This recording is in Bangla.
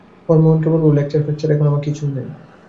হরমোহনকে বলবে, লেকচার-ফেকচার এখন আমার কিছুই নাই।